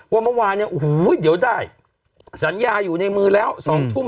ว่าเมื่อวานเนี่ยโอ้โหเดี๋ยวได้สัญญาอยู่ในมือแล้ว๒ทุ่ม